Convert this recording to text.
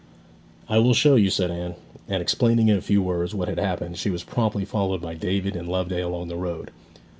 'I will show you,' said Anne. And explaining in a few words what had happened, she was promptly followed by David and Loveday along the road.